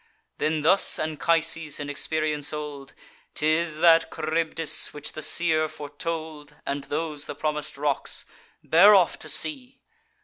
Then thus Anchises, in experience old: ''Tis that Charybdis which the seer foretold, And those the promis'd rocks! Bear off to sea!